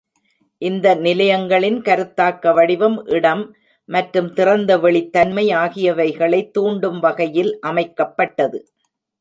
இந்த நிலையங்களின் கருத்தாக்க வடிவம் இடம் மற்றும் திறந்தவெளிதன்மை ஆகியவைகளை தூண்டும் வகையில் அமைக்கப்பட்டது.